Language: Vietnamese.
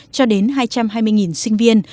cho đến hai trăm hai mươi sinh viên